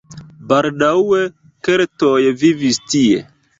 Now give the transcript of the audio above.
Baldaŭe keltoj vivis tie.